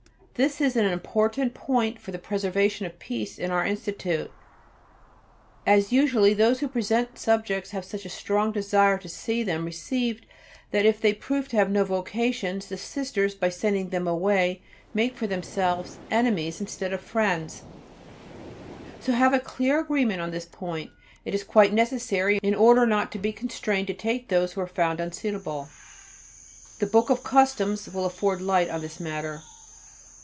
This is an important point for the preservation of peace in our Institute, as usually those who present subjects have such a strong desire to see them received that, if they prove to have no vocations, the Sisters by sending them away make for themselves enemies instead of friends: so have a clear agreement on this point. It is quite necessary, in order not to be constrained to take those who are found to be unsuitable. The Book of Customs will afford light on this matter....